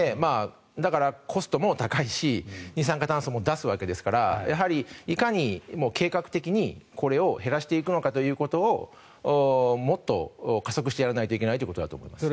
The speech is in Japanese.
だから、コストも高いし二酸化炭素も出すわけですからやはりいかに計画的にこれを減らしていくのかということをもっと加速してやらないといけないということだと思います。